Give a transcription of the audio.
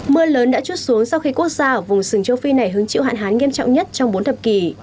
mưa lớn đã chút xuống sau khi quốc gia ở vùng sừng châu phi này hứng chịu hạn hán nghiêm trọng nhất trong bốn thập kỷ